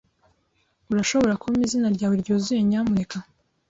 Urashobora kumpa izina ryawe ryuzuye, nyamuneka?